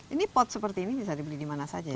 ini pot seperti ini bisa dibeli dimana saja